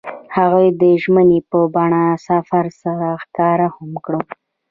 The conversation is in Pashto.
هغوی د ژمنې په بڼه سفر سره ښکاره هم کړه.